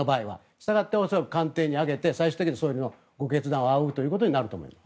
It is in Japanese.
したがって、恐らく官邸に上げて最終的に総理のご決断を仰ぐということになると思います。